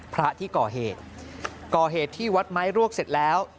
พระที่ก่อเหตุก่อเหตุที่วัดไม้รวกเสร็จแล้ว